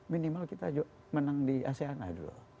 minimal kita menang di aseana dulu